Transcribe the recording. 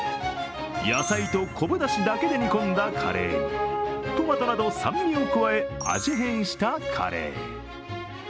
野菜と昆布だしだけで煮込んだカレーに、トマトなど酸味を加え、味変したカレー。